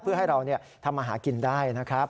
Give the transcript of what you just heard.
เพื่อให้เราทำมาหากินได้นะครับ